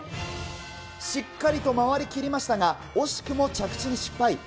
しっかりと回りきりましたが、惜しくも着地に失敗。